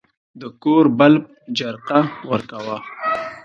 د کور بلب جرقه ورکاوه.